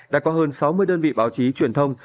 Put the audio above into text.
đã có hơn sáu mươi đơn vị báo chí truyền thông